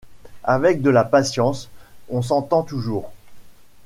Avec de la patience, on s’entend toujours.